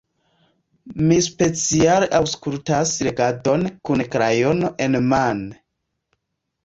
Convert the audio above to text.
Mi speciale aŭskultas legadon kun krajono enmane.